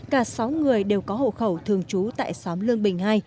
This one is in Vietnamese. cả sáu người đều có hộ khẩu thường trú tại xóm lương bình hai